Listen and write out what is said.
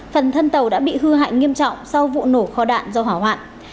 phần thân tàu đã bị hư hại nghiêm trọng sau vụ nổ kho đạn do hỏa hoạn